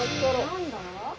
何だ？